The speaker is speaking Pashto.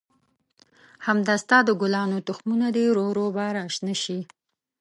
همدا ستا د ګلانو تخمونه دي، ورو ورو به را شنه شي.